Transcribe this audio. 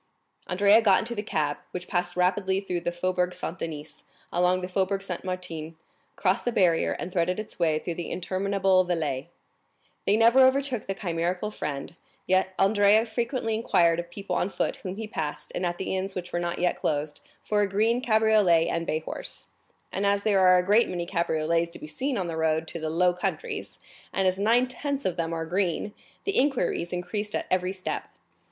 Andrea got into the cab, which passed rapidly through the Faubourg Saint Denis, along the Faubourg Saint Martin, crossed the barrier, and threaded its way through the interminable Villette. They never overtook the chimerical friend, yet Andrea frequently inquired of people on foot whom he passed and at the inns which were not yet closed, for a green cabriolet and bay horse; and as there are a great many cabriolets to be seen on the road to the Low Countries, and as nine tenths of them are green, the inquiries increased at every step.